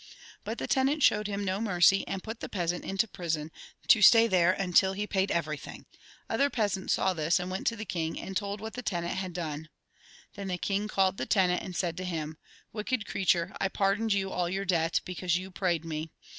But the tenant showed him no mercy, and put the peasant into prison, to stay there until he paid everything. Other peasants saw this, and went to the king, Il6 THE GOSPEL IN BRIEF and told what the tenant had done. Then the king called the tenant, and said to him :' Wicked creature, I pardoned you all your debt, because you prayed me.